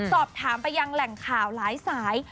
สอบถามไปยังแหล่งข่าวหลายสาย